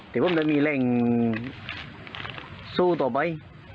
ตัดอยู่ว่ามีแรงสู้ต่อไป